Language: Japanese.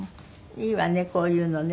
いいわねこういうのね。